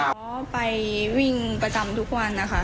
เขาไปวิ่งประจำทุกวันนะคะ